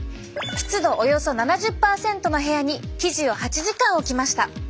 湿度およそ７０％の部屋に生地を８時間置きました。